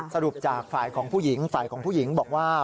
สรุปจากฝ่ายของผู้หญิงฝ่ายของผู้หญิงบอกว่า